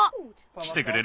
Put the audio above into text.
きてくれる？